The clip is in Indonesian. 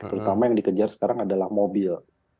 terutama yang dikejar sekarang adalah mobil